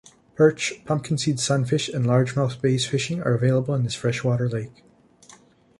Perch, Pumpkinseed Sunfish and Largemouth bass fishing are available in this freshwater lake.